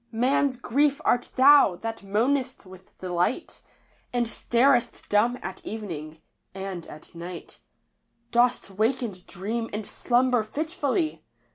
Man's Grief art thou, that moanest with the light, And starest dumb at evening — and at night Dost wake and dream and slumber fitfully